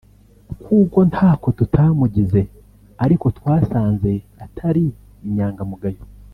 kuko ntako tutamugize ariko twasanze atari inyangamugayo